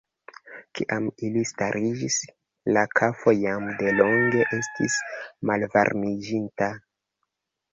Kiam ili stariĝis, la kafo jam delonge estis malvarmiĝinta.